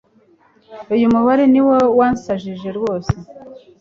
uyu mubare niwo wansajije rwose